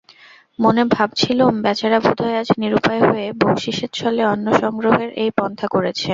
মনে ভাবছিলুম বেচারা বোধ হয় আজ নিরুপায় হয়ে বকশিশের ছলে অন্নসংগ্রহের এই পন্থা করেছে।